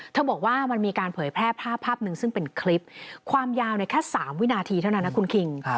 บอกว่ามันมีการเผยแพร่ภาพภาพหนึ่งซึ่งเป็นคลิปความยาวแค่๓วินาทีเท่านั้นนะคุณคิง